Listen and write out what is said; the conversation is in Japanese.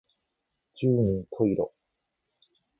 十人十色